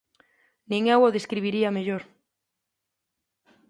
Nin eu o describiría mellor.